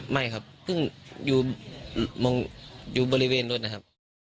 ไม่ครับเพิ่งอยู่บริเวณรถนะครับ